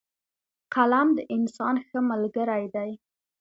قلم د انسان ښه ملګری دی